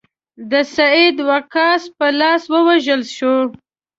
د سعد وقاص په لاس ووژل شو.